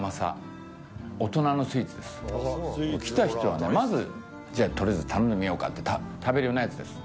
来た人はねまず取りあえず頼んでみようかって食べるようなやつです